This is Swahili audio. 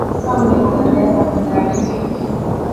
Sam ni mwanariadha hodari